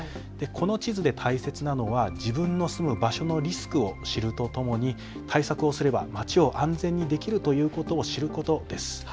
この地図で大切なのは自分の住む場所のリスクを知るとともに対策をすれば町を安全にできるということを知ることです。